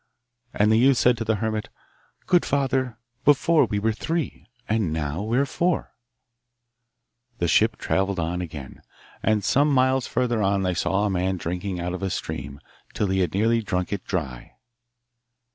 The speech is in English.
And the youth said to the hermit, 'Good father, before we were three, and now we are four.' The ship travelled on again, and some miles further on they saw a man drinking out of a stream till he had nearly drunk it dry.